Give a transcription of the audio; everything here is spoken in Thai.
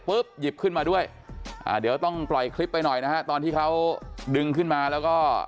หยิบขึ้นมาด้วยอ่าเดี๋ยวต้องปล่อยคลิปไปหน่อยนะฮะตอนที่เขาดึงขึ้นมาแล้วก็